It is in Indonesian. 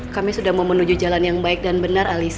kami sudah mau menuju jalan yang baik dan benar alisa